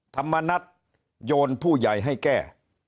ธรรมนัฏโยนผู้ใหญ่ให้แก้